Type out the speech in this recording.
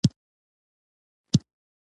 هغه هم روان شو یوه خوشکه یې وکړه.